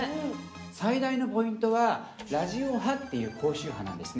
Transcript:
最大のポイントはラジオ波っていう高周波なんですね。